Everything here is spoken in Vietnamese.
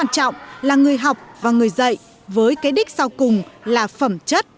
đó là người học và người dạy với cái đích sau cùng là phẩm chất